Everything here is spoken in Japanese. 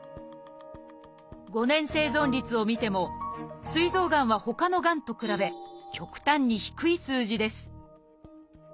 ５年生存率を見ても「すい臓がん」はほかのがんと比べ極端に低い数字です